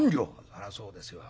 「そらそうですよ。